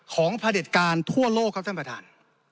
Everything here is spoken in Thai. พระเด็จการทั่วโลกครับท่านประธาน